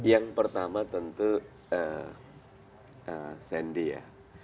yang pertama tentu sandi ya